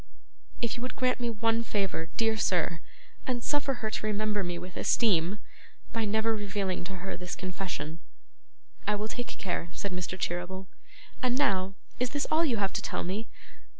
'If you would grant me one favour, dear sir, and suffer her to remember me with esteem, by never revealing to her this confession ' 'I will take care,' said Mr. Cheeryble. 'And now, is this all you have to tell me?